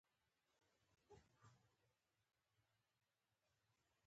دوی په لومړي ځل متوجه شول.